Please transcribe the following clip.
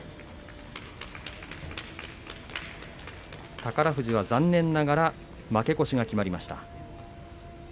宝富士は残念ながら負け越しが決まりました。